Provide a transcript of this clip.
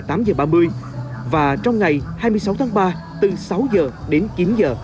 từ bảy h ba mươi đến một mươi tám h ba mươi và trong ngày hai mươi sáu tháng ba từ sáu h đến chín h